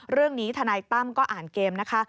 เรื่องนี้ธนายตั้มก็อ่านเกมนะคะ